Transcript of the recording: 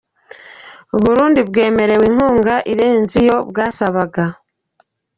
U Burundi bwemerewe inkunga irenze iyo bwasabaga